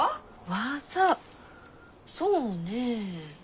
技そうね。